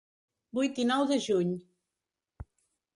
Vuit i nou de juny.